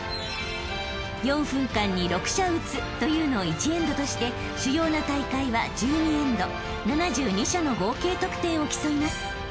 ［４分間に６射打つというのを１エンドとして主要な大会は１２エンド７２射の合計得点を競います］